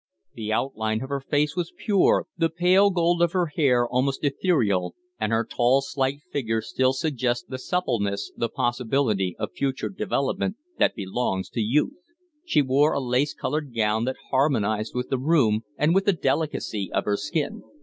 The outline of her face was pure, the pale gold of her hair almost ethereal, and her tall, slight figure still suggested the suppleness, the possibility of future development, that belongs to youth. She wore a lace colored gown that harmonized with the room and with the delicacy of her skin.